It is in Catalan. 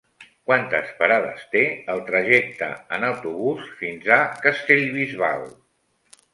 Quantes parades té el trajecte en autobús fins a Castellbisbal?